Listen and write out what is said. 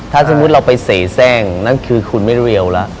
ถ้าสมมุติเราไปเสียแทร่งนั่นคือคุณไม่เรียวแล้ว